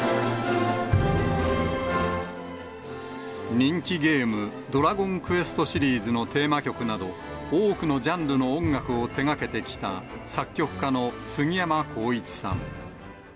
人気ゲーム、ドラゴンクエストシリーズのテーマ曲など、多くのジャンルの音楽を手がけてきた、作曲家のすぎやまこういちさん。